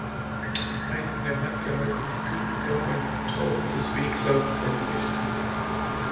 Ein in der Hand gehaltenes Küken gab ein "trauriges Wehklagen" von sich.